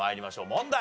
問題。